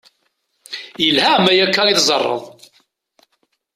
Yelha ma akka i teẓẓareḍ.